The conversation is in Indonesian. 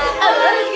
udah udah udah